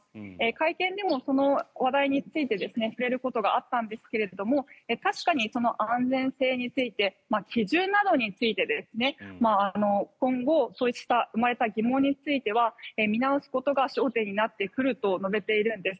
会見でも、その話題について触れることがあったんですが確かに安全性について基準などについて今後、そうした生まれた疑問については見直すことが焦点になってくると述べているんです。